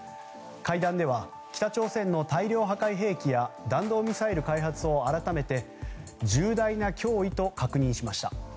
会談では北朝鮮の大量破壊兵器や弾道ミサイル開発を改めて重大な脅威と確認しました。